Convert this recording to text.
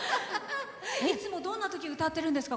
いつもどんなとき歌ってるんですか？